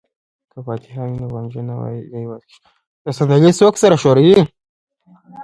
که فاتحه وي نو غمجن نه یوازې کیږي.